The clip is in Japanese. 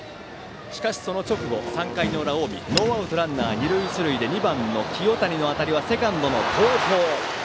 しかしその直後、３回の裏、近江ノーアウトランナー、二塁一塁で２番、清谷の当たりがセカンド後方。